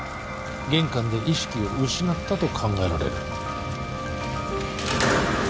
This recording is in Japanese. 「玄関で意識を失ったと考えられる」